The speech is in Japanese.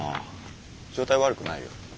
状態悪くないよ。